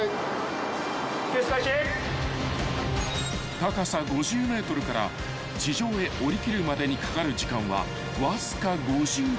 ［高さ５０ｍから地上へ下りきるまでにかかる時間はわずか５０秒］